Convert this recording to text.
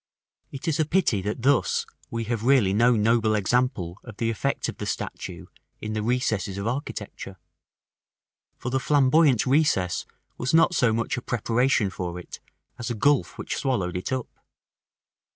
§ IX. It is a pity that thus we have no really noble example of the effect of the statue in the recesses of architecture: for the Flamboyant recess was not so much a preparation for it as a gulf which swallowed it up.